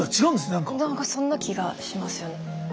何かそんな気がしますよね。